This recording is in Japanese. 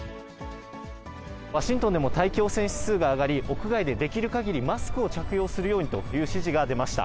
ワシントンでも大気汚染指数が上がり、屋外でできるかぎりマスクを着用するようにという指示が出ました。